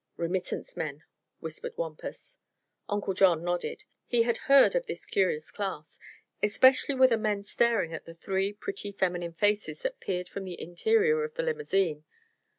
"Remittance men," whispered Wampus. Uncle John nodded. He had heard of this curious class. Especially were the men staring at the three pretty, feminine faces that peered from the interior of the limousine.